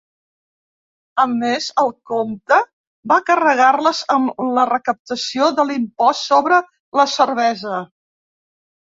A més el comte va carregar-les amb la recaptació de l'impost sobre la cervesa.